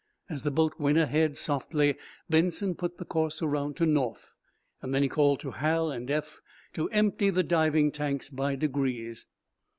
As the boat went ahead, softly, Benson put the course around to north. Then he called to Hal and Eph to empty the diving tanks by degrees.